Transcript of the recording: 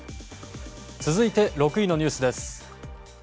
続いて６位のニュースです。